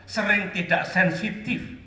sering tidak sensitif